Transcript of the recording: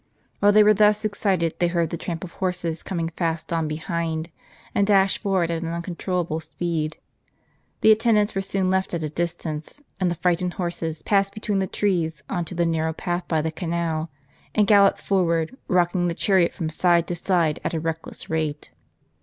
While they were thus excited they heard the tramp of horses coming fast on behind, and dashed forward at an uncontrollable speed. The attendants were soon left at a dis tance, and the frightened horses passed between the trees on to the narrow path by the canal, and galloped forward, rock ing the chariot from side to side at a reckless rate.